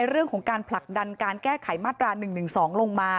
เรื่องของการผลักดันการแก้ไขมาตรา๑๑๒ลงมา